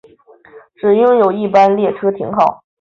只有一般列车停靠。